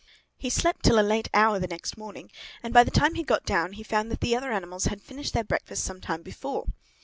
He slept till a late hour next morning, and by the time he got down he found that the other animals had finished their breakfast some time before.